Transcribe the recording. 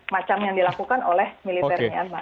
macam yang dilakukan oleh militernya